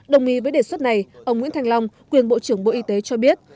đồng ý với đề xuất này ông nguyễn thanh long quyền bộ trưởng bộ y tế cho biết